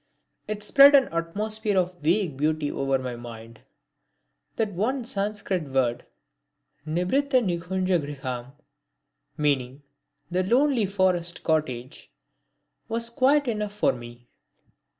It spread an atmosphere of vague beauty over my mind. That one Sanskrit word, Nibhrita nikunja griham, meaning "the lonely forest cottage" was quite enough for me.